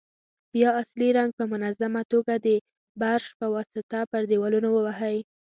بیا اصلي رنګ په منظمه توګه د برش په واسطه پر دېوالونو ووهئ.